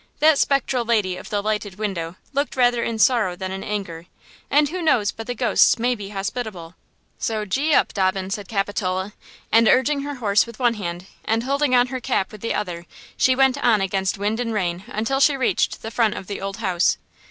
That spectral lady of the lighted window looked rather in sorrow than in anger, and who knows but the ghosts may be hospitable? So gee up, Dobbin!" said Capitola, and, urging her horse with one hand and holding on her cap with the other, she went on against wind and rain until she reached the front of the old house.